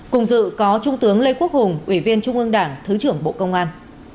cùng dự có trung tướng lê quốc hùng ủy viên trung ương đảng thứ trưởng bộ công an